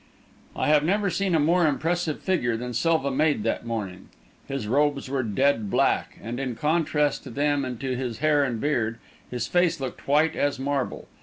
I have never seen a more impressive figure than Silva made that morning. His robes were dead black, and in contrast to them and to his hair and beard, his face looked white as marble.